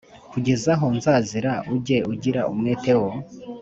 Kugeza aho nzazira ujye ugira umwete wo